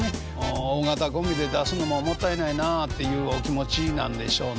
大型ごみで出すのももったいないなっていうお気持ちなんでしょうね。